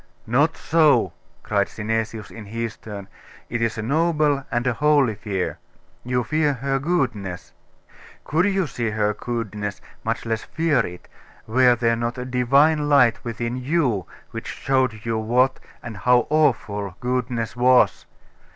'Not so,' cried Synesius, in his turn; 'it is a noble and a holy fear. You fear her goodness. Could you see her goodness, much less fear it, were there not a Divine Light within you which showed you what, and how awful, goodness was?